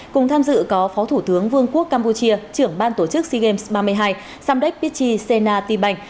cùng tham dự có phó thủ tướng vương quốc campuchia trưởng ban tổ chức sea games ba mươi hai samdech pichy sena ti bành